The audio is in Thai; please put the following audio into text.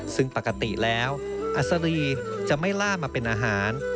ซึ่งปกติแล้วอัศรีจะไม่ล่ามาเป็นอาหาร